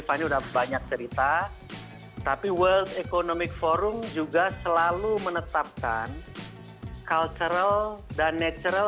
fani sudah banyak cerita tapi world economic forum juga selalu menetapkan cultural dan natural